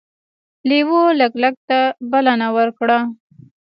لیوه لګلګ ته بلنه ورکړه.